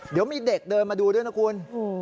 เดี๋ยวมีเด็กเดินมาดูด้วยนะคุณ